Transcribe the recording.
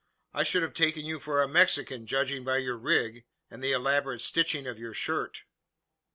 I should have taken you for a Mexican, judging by your rig, and the elaborate stitching of your shirt."